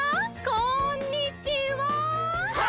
こんにちは！